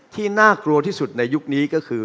น่ากลัวที่สุดในยุคนี้ก็คือ